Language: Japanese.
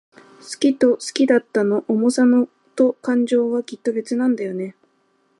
好きと好きだったの想さと感情は、きっと別なんだよね。